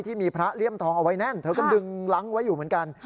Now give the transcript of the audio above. ที่มีพระเลี่ยมทองเอาไว้แน่นเธอก็ดึงล้างไว้อยู่เหมือนกัน